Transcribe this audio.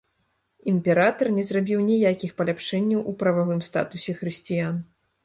Імператар не зрабіў ніякіх паляпшэнняў у прававым статусе хрысціян.